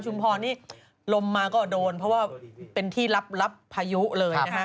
พรนี่ลมมาก็โดนเพราะว่าเป็นที่รับพายุเลยนะคะ